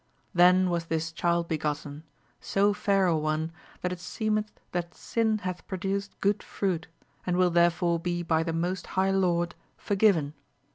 Then was this child begotten, so fair a one, that it seemeth that sin hath produced good fruit, and wiQ therefore be by the most high Lord forgiven.